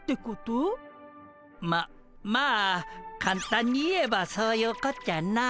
ままあかんたんに言えばそういうこっちゃな。